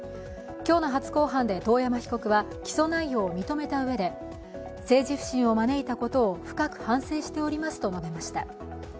今日の初公判で遠山被告は起訴内容を認めたうえで、政治不信を招いたことを深く反省しておりますと述べました。